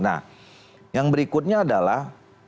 nah yang berikutnya adalah